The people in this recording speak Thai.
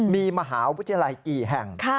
มีมหาวิทยาลัยกี่แห่ง